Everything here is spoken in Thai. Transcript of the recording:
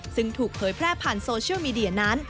ซึ่งถูกเผยแพร่ผ่านโซเชียลมีเดียนั้น